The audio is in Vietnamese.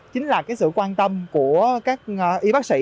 chính là sự quan tâm của các y bác sĩ